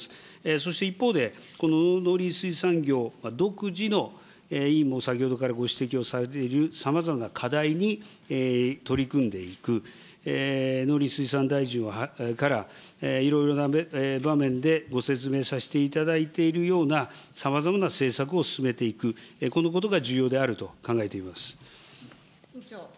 そして一方で、この農林水産業独自の、委員も先ほどからご指摘をされているさまざまな課題に取り組んでいく、農林水産大臣から、いろいろな場面でご説明させていただいているようなさまざまな政策を進めていく、このことが重要であると考えています。